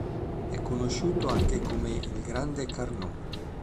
È conosciuto anche come "il grande Carnot".